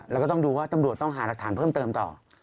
แล้วก็ต้องดูว่าตำรวจต้องหารักฐานเพิ่มเติมต่อ